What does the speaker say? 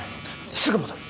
すぐ戻る。